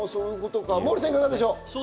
モーリーさん、いかがでしょう？